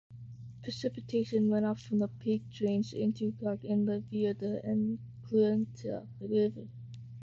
Precipitation runoff from the peak drains into Cook Inlet via the Eklutna River.